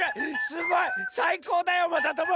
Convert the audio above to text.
すごい！さいこうだよまさとも。